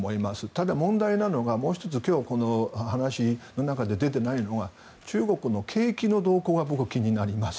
ただ、問題なのがもう１つ今日、この話の中で出ていないのが中国の景気の動向が僕は気になります。